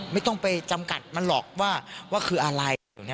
ไม่ต้องไปจำกัดมันหรอกว่าคืออะไร